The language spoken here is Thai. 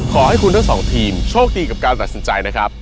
ขอให้คุณทั้งสองทีมโชคดีกับการตัดสินใจนะครับ